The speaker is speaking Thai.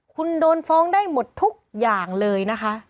คุณโดนฟ้องได้หมดทุกอย่างเลยนะคะ